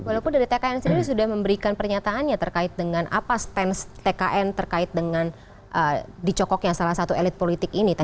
walaupun dari tkn sendiri sudah memberikan pernyataannya terkait dengan apa stance tkn terkait dengan dicokoknya salah satu elit politik ini